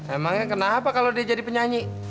emangnya kenapa kalau dia jadi penyanyi